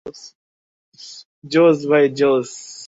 তোমার অভীষ্ট লক্ষ্য এখন মদীনা।